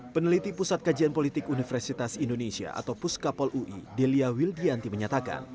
peneliti pusat kajian politik universitas indonesia atau puskapol ui delia wildianti menyatakan